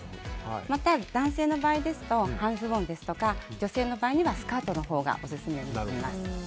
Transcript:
また、男性の場合ですと半ズボンですとか女性の場合にはスカートのほうがオススメになります。